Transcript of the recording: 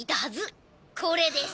これです。